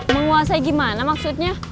menguasai gimana maksudnya